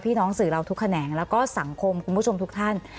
น้องสื่อเราทุกแขนงแล้วก็สังคมคุณผู้ชมทุกท่าน